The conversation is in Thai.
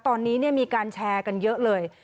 ตอนนี้มีการแชร์กันเยอะเลย